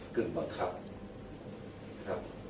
กึ่งบังคับ